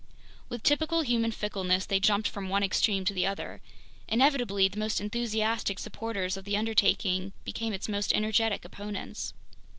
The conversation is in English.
With typical human fickleness, they jumped from one extreme to the other. Inevitably, the most enthusiastic supporters of the undertaking became its most energetic opponents.